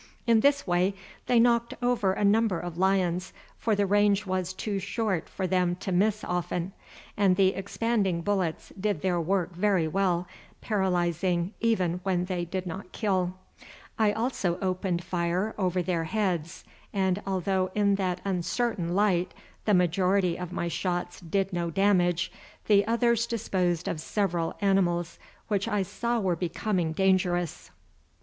In this way they knocked over a number of lions, for the range was too short for them to miss often, and the expanding bullets did their work very well, paralyzing even when they did not kill. I also opened fire over their heads, and, although in that uncertain light the majority of my shots did no damage, the others disposed of several animals which I saw were becoming dangerous.